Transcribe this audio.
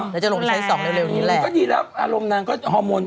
น่ะจะลงใช้๒เร็วเร็วนี้แหละก็ดีแล้วอารมณ์นางก็ฮอร์โมน